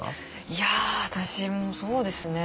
いや私もそうですね。